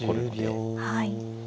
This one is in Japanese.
はい。